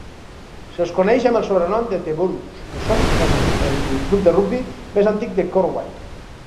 Se'ls coneix amb el sobrenom de "The Borough" i són el club de rugbi més antic de Corwnall.